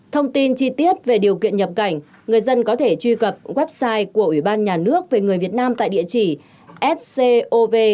thông tin chi tiết về điều kiện nhập cảnh người dân có thể truy cập website của ủy ban nhà nước về người việt nam tại địa chỉ scov